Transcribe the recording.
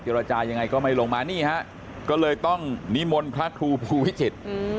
รจายังไงก็ไม่ลงมานี่ฮะก็เลยต้องนิมนต์พระครูภูวิจิตร